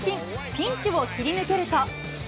ピンチを切り抜けると。